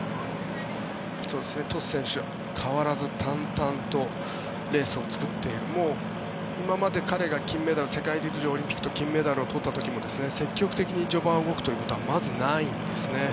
トス選手変わらず淡々とレースを作ってもう今まで彼が金メダル世界陸上、オリンピックと金メダルを取った時も積極的に序盤を動くというのはまずないんですね。